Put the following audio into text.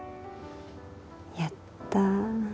やったぁ。